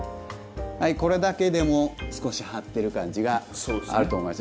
これだけでも少し張ってる感じがあると思います。